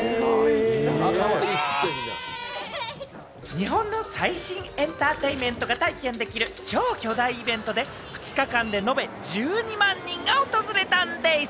日本の最新エンターテインメントが体験できる超巨大イベントで、２日間で延べ１２万人が訪れたんでぃす！